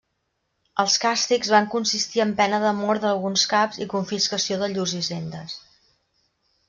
Els càstigs van consistir en pena de mort d'alguns caps i confiscació de llurs hisendes.